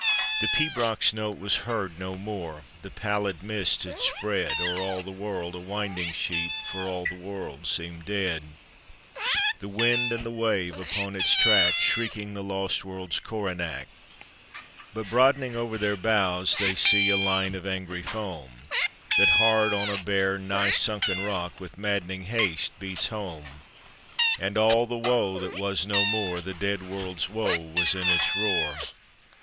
The pibroch's note was heard no more, The pallid mist had spread O'er all the world a winding sheet For all the world seemed dead ; The wind and the waves upon its track Shrieking the lost world's coronach. But broadening over their bows they see A line of angry foam That hard on a bare, nigh sunken rock With maddened haste beats home; And all the woe that was no more, The dead world's woe, was in its roar.